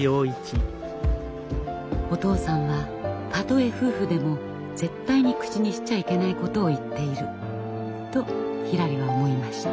お父さんはたとえ夫婦でも絶対に口にしちゃいけないことを言っているとひらりは思いました。